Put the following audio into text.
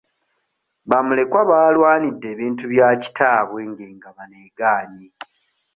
Bamulekwa baalwanidde ebintu bya kitaabwe nga engabana egaanye.